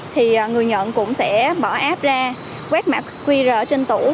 thì người nhận cũng sẽ bỏ app ra quét mã qr trên tủ